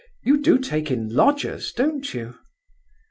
You do take in lodgers, don't you?"